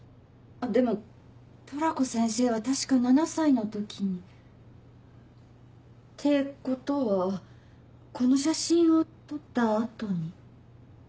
でもトラコ先生は確か７歳の時に。ってことはこの写真を撮った後に。